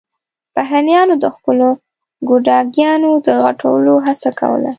بهرنيانو د خپلو ګوډاګيانو د غټولو هڅه کوله.